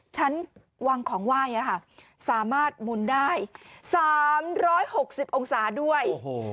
ฉันวางของไหว้สามารถหมุนได้๓๖๐องศาด้วย